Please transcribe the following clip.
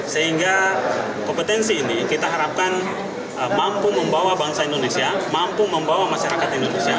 sehingga kompetensi ini kita harapkan mampu membawa bangsa indonesia mampu membawa masyarakat indonesia